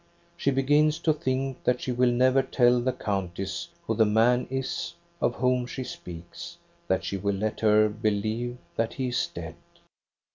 She begins to think that she will never tell the countess who the man is of whom she speaks; that she will let her believe that he is dead.